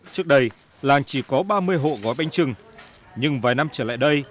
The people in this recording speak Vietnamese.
trước đây làng chỉ có ba mươi hộ gói bánh trưng nhưng vài năm trở lại đây